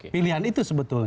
pilihan itu sebetulnya